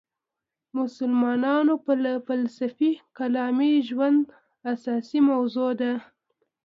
مسلمانانو فلسفي کلامي ژوند اساسي موضوع ده.